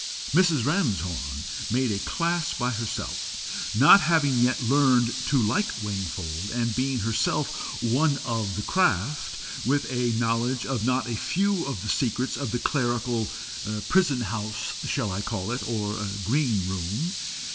Mrs. Ramshorn made a class by herself. Not having yet learned to like Wingfold, and being herself one of the craft, with a knowledge of not a few of the secrets of the clerical prison house, shall I call it, or green room?